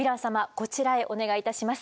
こちらへお願いいたします。